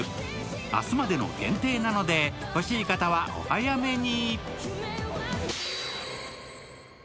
明日までの限定なので欲しい方はお早めに！